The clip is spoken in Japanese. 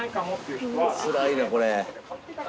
「つらいなこれ」